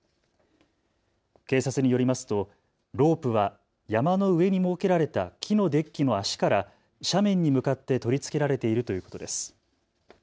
警察によりますとロープは山の上に設けられた木のデッキの脚から斜面に向かって取り付けられているということです。